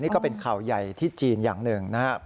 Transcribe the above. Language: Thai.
นี่ก็เป็นข่าวใหญ่ที่จีนอย่างหนึ่งนะครับ